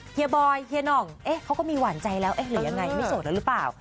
เฮบอยเฮียหน่องเขาก็มีหวานใจแล้วหรือยังไงไม่โสดแล้วหรือเปล่า